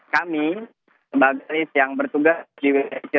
kami sebagai yang bertugas di wsk